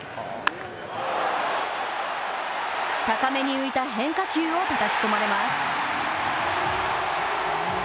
高めに浮いた変化球をたたき込まれます。